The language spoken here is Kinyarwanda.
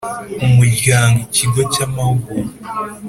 umuryango ikigo cy amahugurwa